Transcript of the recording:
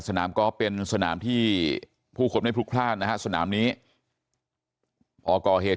กอล์ฟเป็นสนามที่ผู้คนไม่พลุกพลาดนะฮะสนามนี้พอก่อเหตุ